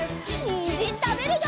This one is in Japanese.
にんじんたべるよ！